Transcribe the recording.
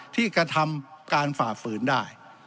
ที่กระทำการฝ่าฝืนได้